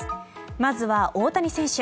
まずは、大谷選手。